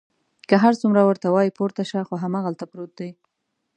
که هر څومره ورته وایي پورته شه، خو هماغلته پروت دی.